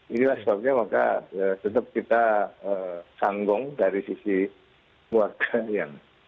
inilah sebabnya maka tetap kita sanggung dari sisi keluarga yang